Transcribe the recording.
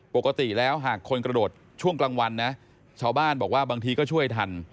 ปกติแล้วหากคนกระโดดช่วงกลางวันนะชาวบ้านบอกว่าบางทีก็ช่วยทัน